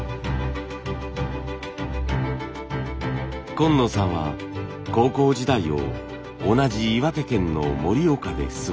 今野さんは高校時代を同じ岩手県の盛岡で過ごしました。